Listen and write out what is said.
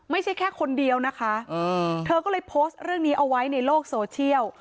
ไม่ใช่แค่คนเดียวนะคะเธอก็เลยโพสต์เรื่องนี้เอาไว้ในโลกโซเชียล